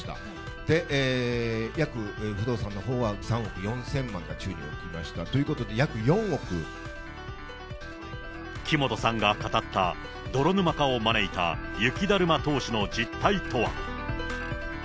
で、約、不動産のほうは３億４０００万が宙に浮きました、ということで、木本さんが語った、泥沼化を招いた雪だるま投資の実態とは。